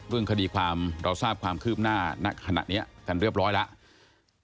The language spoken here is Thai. เรื่องคดีความเราทราบความคืบหน้าณขณะนี้กันเรียบร้อยแล้ว